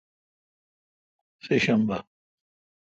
سہ شنبہ